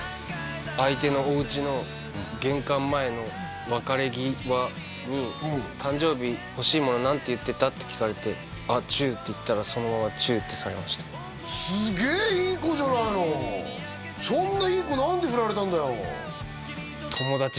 相手のおうちの玄関前の別れ際に「誕生日欲しいもの何て言ってた？」って聞かれて「あチュー」って言ったらそのままチューってされましたすげーいい子じゃないのそんないい子何でフラれたんだよ